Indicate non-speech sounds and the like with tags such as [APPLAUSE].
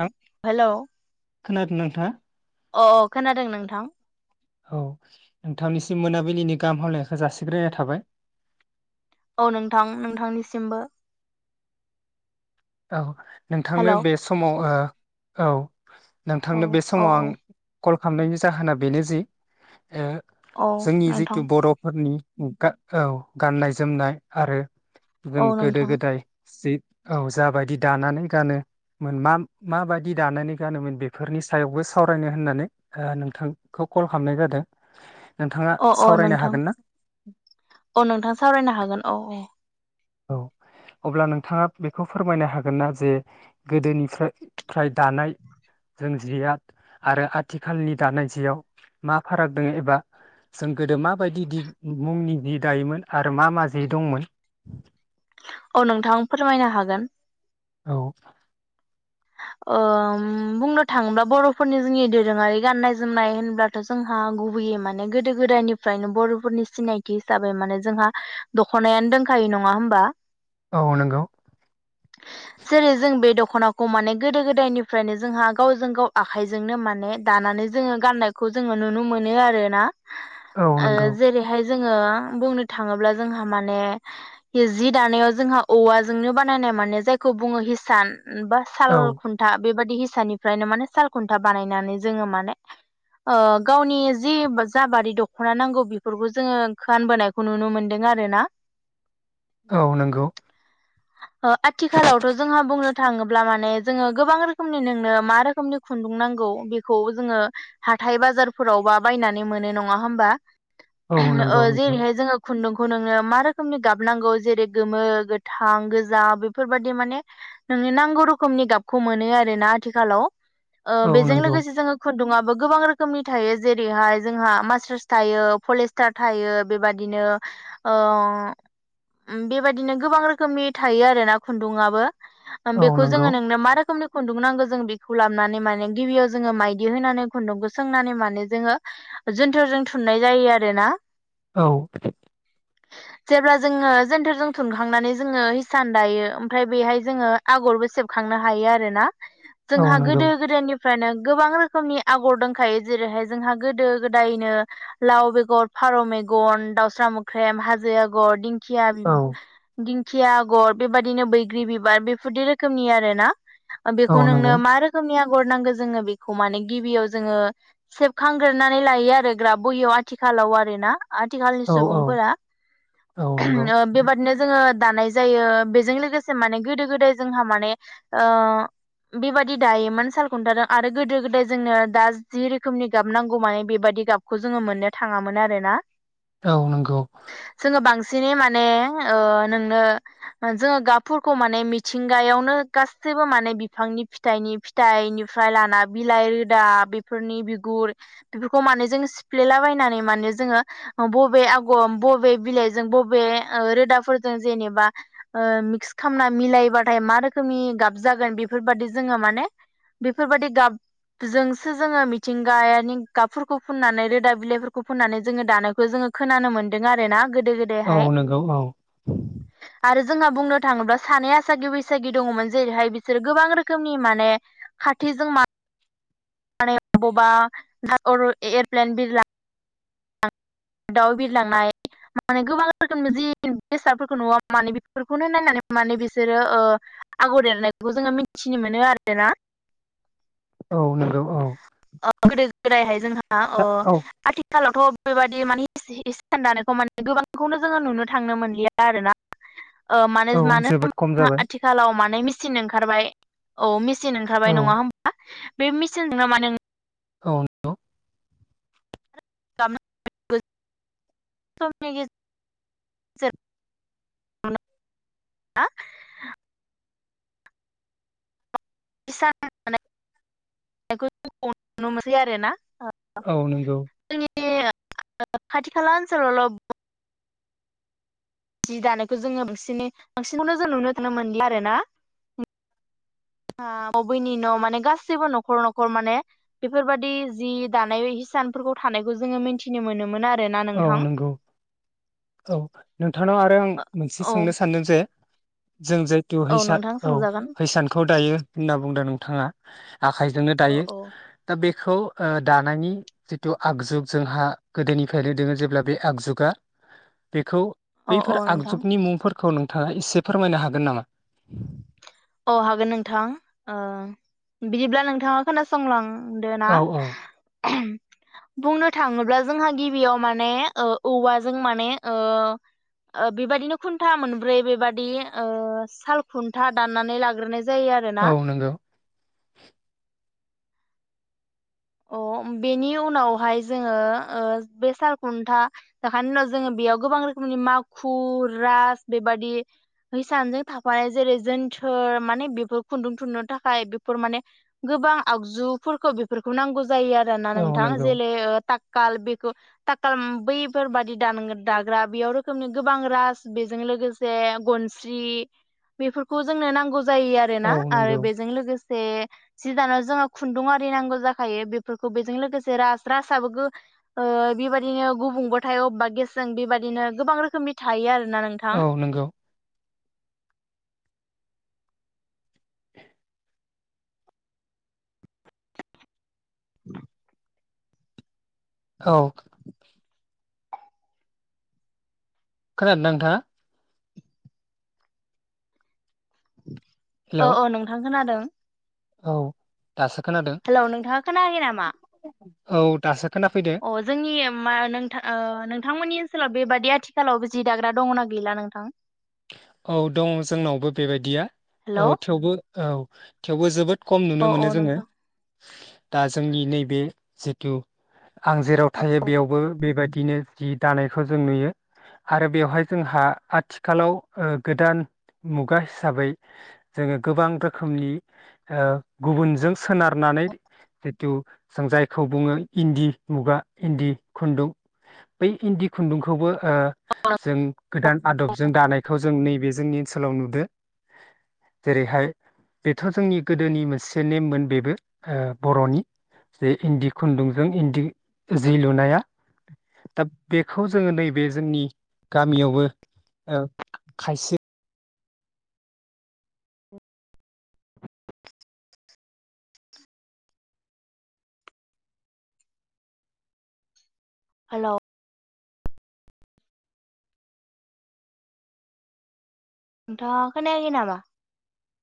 ह हेलौ खोनादों नोंथाङा? अ अ खोनादों नोंथां। औ नोंथांनिसिम मोनाबिलिनि गाहाम हामलायखौ जासिग्रोनाय थाबाय। औ नोंथां नोंथांनिसिमबो। औ। नोंथांनो हेलौ बे समाव ओ औ। औ नोंथांनो बे औ समाव आं औ कल खालामनायनि जाहोना बेनो जि औ जोंनि जितु नोंथां बर'फोरनि गार औ गाननाय जोमनाय आरो जों औ गोदो नोंथां गोदाय सित औ। जाबायदि दानानै गानोमोन मा माबायदि दानानै गानोमोन बेफोरनि सायावबो सावरायनो होननानै ओ नोंथांखौ कल खालामनाय जादों। नोंथाङा अ अ सावरायनो नोंथां हागोन ना अ नोंथां सावरायनो हागोन औ । औ अब्ला नोंथाङा बेखौ फोरमायनो हागोन ना जे गोदोनिफ्राय फ्राय दानाय जों जिया आरो आथिखालनि दानाय जियाव मा फाराग दङ एबा जों गोदो माबायदि दि मुंनि जि दायोमोन आरो मा मा जि दंमोन? आं नोंथां फोरमायनो हागोन। औ। ओम बुंनो थाङोब्ला बर'फोरनि जोंनि दोरोङारि गाननाय जोमनाय होनब्लाथ' जोंहा गुबैयै माने गोदो गोदायनिफ्रायनो बर'फोरनि सिनायथि हिसाबै माने जोंहा दख'नायानो दोंखायो नङा होमबा? औ नोंगौ। जेरै जों बे दख'नाखौ माने गोदो गोदायनिफ्रायनो जोंहा गावजों गाव आखाइजोंनो माने दानानै जोङो गाननायखौ जोङो नुनो मोनो आरोना। औ ओ नंगौ जेरैहाय जोङो बुंनो थाङोब्ला जोंहा माने जि दानायाव जोंहा औवाजोंनो बा नायनाय माने जायखौ बुङो हिसान बा साल औ खुन्था बेबाय दि हिसानिफ्रायनो माने सालखुन्था बानायनानै जोङो माने ओ गावनि जि जाबादि दख'ना नांगौ बेफोरखौ जोङो गानबोनायखौ नुनो मोनदों आरोना। औ नंगौ। आथिखालावथ' जोंहा बुंनो थाङोब्ला माने जोङो गोबां रोखोमनि नोंनो मा रोखोमनि खुन्दुं नांगौ बेखौ जोङो हाथाय बाजारफोरावबा बायनानै मोनो नङा होमबा? औ ओ नंगौ नोंथां जेरैहाय जोङो खुन्दुं खौ नोंनो मा रोखोमनि गाबनांगौ जेरै गोमो, गोथां गो जा बेफोरबायदि माने नोंनो नांगौ रोखोमनि गाबखौ मोनो आरोना आथिखालाव। ओ औ बेजों नंगौ लोगोसे जोङो खुन्दुङा गोबां रोखोमनि थायो जेरैहाय जोंहा मासरास थायो पलेस्टार थायो बेबाददिनो ओ बेबदिनो गोबां रोखोमनि थायो आरो ना खुन्दुङाबो ओम औ बेखौ नंगौ जोङो नोंनो मा रोखोमनि खुन्दुं नांगौ जों बेखौ लाबानै माने गिबियाव जोङो माइदि होनानै खुन्दुंखौ सोंनानै माने जोङो जोन्थोरजों थुननाय जायोआरोना। औ। जेब्ला जोङो जोन्थोरजों थुनखांनानै जोङो हिसान दायो ओमफ्राय बेहाय जोङो आगरबो सेबखांनो हायो आरोना। औ जोंहा नंगौ गोदो गोदायनि फ्रायनो गोबां रोखोमनि आगर दोंखायो जेरैहाय जोंहा गोदो गोदायनो लाव बेगर, फारौ मेगन, दाउसा मोख्रेम, हाजो आगर, दिं खिया औ दिं खिया आ गर बेबायदिनो बैग्रि बिबार बेफोरदि रोखोमनि आरोना। औ बेखौ नंगौ नोंनो मा रोखोमनि आं गर नांगौ जोङो बेखौ माने गिबियाव जोङो सेबखांग्रोनानै लायो आरो ग्राब बहियाव आथिखालाव आरोना आथिखालनि औ औ सुबुंफोरा औ नंगौ ओ बेबादिनो जोङो दानाय जायो बेजों लोगोसे माने गोदो गोदाय जोंहा माने ओ बेबादि दायोमोन सालखुन्थादों आरो गोदो गोदाय जोंनो दा जि रोखोमनि गाब नांगौ माने बेबादि गाबखौ जोङो मोननो थाङामोन आरोना औ नंगौ बिसिनि माने ओ नोंनो जोङो गाबफोरखौ माने मिथिंगायावनो गासैबो माने बिफांनि फिथाइनि फिथाइनिफ्राय लाना बिलाइ रोदा बेफोरनि बिगुर बेफोरखौ माने जों सिफ्लेलाबायनानै माने जोङो बबे आगर बबे बिलाइजों बबे रोदाफोरजों जेनेबा ओ मिक्स खामना मिलायबाथाय मा रोखोमनि गाब जागोन बेफोरबाददि जोङो माने बेफोरबादि गाबजोंसो जोङो मिथिंगायानि गाबफोरखौ फुननानै रोदाब बिलाइफोरखौ फुननानै जोङो दानायखौ जोङो खोनानो मोनदों आरोना गो औ नंगौ औ आरो जोंहा बुंनो थाङोब्ला सानै आसागि बैसागि दङमोन जेरैहाय बिसोरो गोबां रोखोमनि माने खाथिजों मा बबावबा द एयारप्लेन बिरला दाउ बिरलांनाय माने गोबां रोखोमनि जि बेसादफोरखौ नुवा माने बेफोरखौनो नायनानै माने बिसोरो ओ आगर एरनायखौ जोङो मिथिनो मोनो आरोना औ नंगौ औ गोदो गोदायहाय जोंहा अ औ आथिखालाव दाथ बेबादि माने हिसान दानायखौ माने गोबांखौनो जोङो नुनो थांनो मोनलिया आरो ना ओ मानो औ मानो जोबोद खम होनोब्ला जाबाय आथिखालाव माने मिसिन ओंखारबाय औ मिसि सिन औ ओखारबाय नङा होम्बा बे मेसिन नङा मानो औ नंगौ [UNINTELLIGIBLE] गेजेरावनो [UNINTELLIGIBLE] [UNINTELLIGIBLE] नुनो मोनसै आरो ना औ नंगौ बे ओ खाथि खाला ओनसोलावल' जि दानायखौ जोङो बांसिनै बांसिनानो जों नुनो थांनो मोनलिया आरो ना बबेनि न' माने गासैबो न'खर न'खर माने बेफोरबादि जि दानाय हिसानफोरखौ थानायखौ जोङो मोनथिनो मोनोमोन आ औ नंगौ औ नोंथांनाव आरो आं मोनसे औ सोंनो सानदों जे जों जायतु औ हिसान नोंथां औ सोंजागोन हिसानखौ दायो होनना बुंदो नोंथाङा आखाइजोंनो औ दायो दा बे खौ ओ दानायनि जिथु आगजुग जोंहा गोदोनि फायनो दोङो जेब्ला बे आगजुगा बेखौ बैफोर औ नोंथां आगजुगनि मुंफोर खौ नोंथाङा इसे फोरमायनो हागोन नामा अ हागोन नोंथां ओ बिदिब्ला नोंथाङा खोनासंलां दोना औ औ बुंनो थाङोब्ला जोंहा गिबियाव माने ओ औवाजों माने ओ ओ बेबादिनो खुन्था मोनब्रै बेबादि ओ साल खुन्था- दाननानै लाग्रोनाय जा- जायो आरोना। औ नंगौ अ बेनि उनावहाय जोङो ओ बे साल खुन्था जाखानायनि उनाव जोङो बेयाव गोबां रोखोमनि माखु रास बेबादि हिसानजों थाफानाय जेरै जोनथोर माने बेफोर खुन्दुं थुननो थाखाय बेफोर माने गोबां आगजुफोरखौ बेफोर- खौ नांगौ- जायो आरो ना औ नोंथां नंगौ जेलै ओ थाक- काल बेखौ ताखाल बैफोरबादि दान दा-दाग्रा बेयाव रोखोमनि गोबां राज बेजों लोगोसे गनस्रि बेफोरखौ जोंनो नांगौ- जायो आरो औ ना आरो नंगौ बेजों लोगोसे- से जि दानाव जोङो खुन्दुं आरि नांगौ जाख थायो बेफोरखौ बेजों लोगोसे राज राजाबो गो ओ बेबायदिनो गुबुंबो थायो अबेबा गेसजों बेबादिनो गोबां रोखोमनि थायो आरो- औ नंगौ [UNINTELLIGIBLE] औ खोनादोंना नोंथाङा? [INAUDIBLE] हेलौ औ औ नोंथां खोनादों। औ दासो खोनादों हेलौ नोंथाङा खोनायाखै नामा? औ दासो- खोनाफैदो अ जोंनि- मा नोंथां नोंथांमोननि ओनसोलाव बेबादि आथिखालाव जि दाग्रा दङना गैला नोंथां? औ दं जोंनावबो बेबायदिया हेलौ औ थेवबो औ। थेवबो जोबोद- खम नुनो औ औ मोनो जोङो। नोंथां दा जोंनि नैबे जिथु- आं जेराव थायो बेयावबो बेबायदि- बिनो जि दानायखौ जों नुयो आरो बेवहाय जोंहा आथि- खालाव गोदान मुगा हिसाबै जोङो गोबां रोखोमनि ओ गुबुनजों सोनारनानै जिथु जों जायखौ बुङो इन्दि मुगा इन्दि खुन्दुं बै इन्दि खुन्दुंखौबो ओ- जों गोदान आदब- दानायखौ जों नैबे जोंनि ओनसोलाव नुदो। जेरैहाय बेथ' जोंनि गोदोनि मोनसे नेममोन बेबो ओ बर'नि जे इन्दि खुन्दुंजों इन्दि जि लुनाया दा बेखौ जोङो नैबे जोंनि गामियावबो। औ खायसे- हेल'। नोंथाङा खोनायाखै नामा?